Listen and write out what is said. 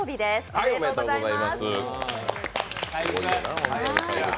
おめでとうございます。